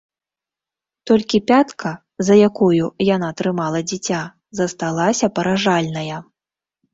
Толькі пятка, за якую яна трымала дзіця, засталася паражальная.